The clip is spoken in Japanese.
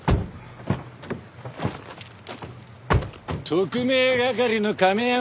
特命係の亀山。